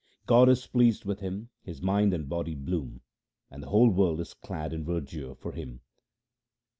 God is pleased with him, his mind and body bloom, and the whole world is clad in verdure for him.